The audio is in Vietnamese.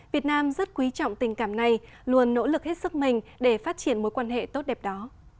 việt nam rất quý trọng tình cảm này luôn nỗ lực hết sức mình để phát triển mối quan hệ tốt đẹp đó